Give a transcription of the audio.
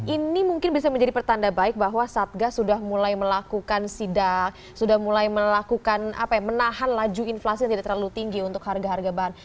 ini mungkin bisa menjadi pertanda baik bahwa satgas sudah mulai melakukan sidak sudah mulai melakukan apa ya menahan laju inflasi yang tidak terlalu tinggi untuk harga harga bahan